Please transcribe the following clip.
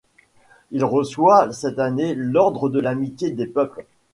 Il reçoit cette année l'Ordre de l'Amitié des peuples.